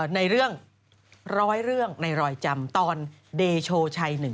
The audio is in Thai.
ในเรื่องร้อยเรื่องในรอยจำตอนเดโชชัย๑